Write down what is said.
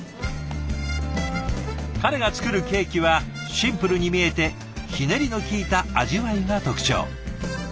彼が作るケーキはシンプルに見えてひねりのきいた味わいが特徴。